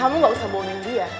kamu gak usah bohongin dia